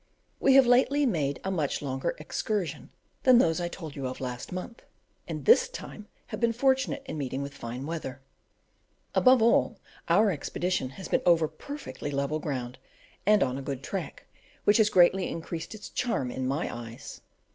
We have lately made a much longer excursion than those I told you of last, month, and this time have been fortunate in meeting with fine weather above all, our expedition has been over perfectly level ground, and on a good "track," which has greatly increased its charms in my eyes.